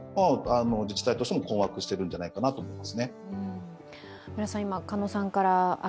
自治体としても困惑してるんじゃないかと思いますね。